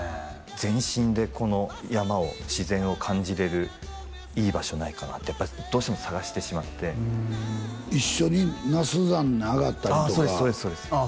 全身でこの山を自然を感じれるいい場所ないかなってやっぱどうしても探してしまって一緒に那須山に上がったりとかああ